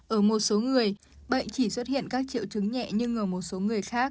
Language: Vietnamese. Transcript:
ở một số người bệnh chỉ xuất hiện các triệu chứng nhẹ nhưng ở một số người khác